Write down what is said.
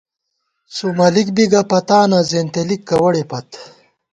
سُومَلِک بی گہ پتانہ ، زېنتېلِک کوَڑے پت